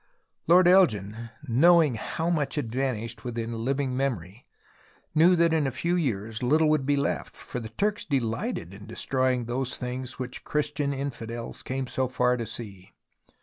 Lord Elgin, knowing how much had vanished within living memory, knew that in a few years little would be left, for the Turks delighted in destroying those things which the Christian infidels came so far to see.